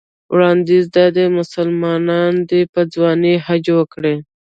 وړاندیز دا دی مسلمان دې په ځوانۍ حج وکړي.